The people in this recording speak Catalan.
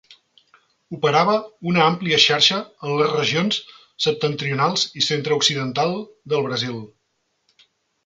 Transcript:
Operava una àmplia xarxa en les regions septentrional i centre-occidental del Brasil.